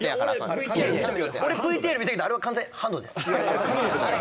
俺ＶＴＲ見たけどあれは完全ハンドです。